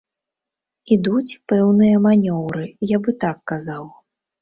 Ідуць пэўныя манёўры, я бы так казаў.